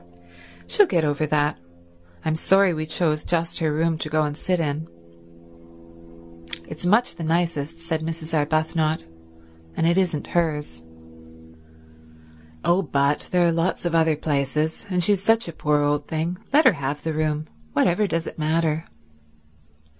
"She'll get over that. I'm sorry we chose just her room to go and sit in." "It's much the nicest," said Mrs. Arbuthnot. "And it isn't hers." "Oh but there are lots of other places, and she's such a poor old thing. Let her have the room. Whatever does it matter?"